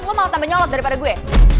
lo malah tambah nyalet daripada gue